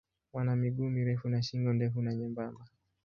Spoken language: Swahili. Wana miguu mirefu na shingo ndefu na nyembamba.